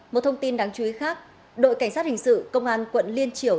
một thông tin đáng chú ý khác đội cảnh sát hình sự công an quận liên triểu